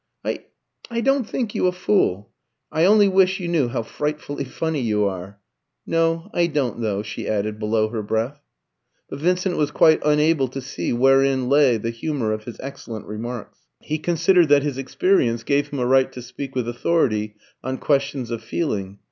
"I I don't think you a fool. I only wish you knew how frightfully funny you are! No, I don't, though," she added below her breath. But Vincent was quite unable to see wherein lay the humour of his excellent remarks. He considered that his experience gave him a right to speak with authority on questions of feeling.